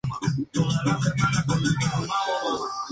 Reside en Venezuela.